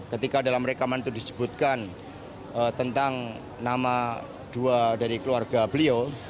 ketika dalam rekaman itu disebutkan tentang nama dua dari keluarga beliau